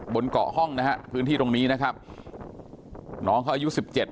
บนเกาะห้องนะฮะพื้นที่ตรงนี้นะครับน้องเขาอายุสิบเจ็ด